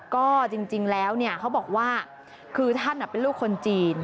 ก็จริงแล้วเขาบอกว่าคือท่านเป็นลูกคนจีน